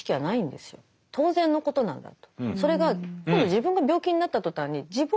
当然のことなんだと。